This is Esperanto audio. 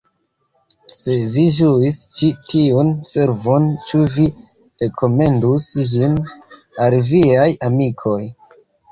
Se vi ĝuis ĉi tiun servon ĉu vi rekomendus ĝin al viaj amikoj!